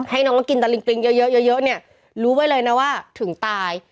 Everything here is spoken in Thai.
ให้น้องกินตะลิงปริงเยอะเนี่ยรู้ไว้เลยนะว่าถึงตาย